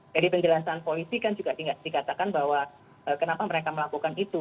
jadi penjelasan polisi kan juga dikatakan bahwa kenapa mereka melakukan itu